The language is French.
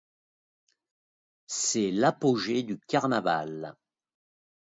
C'est l'apogée du carnaval.